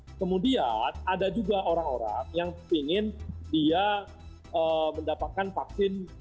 nah kemudian ada juga orang orang yang ingin dia mendapatkan vaksin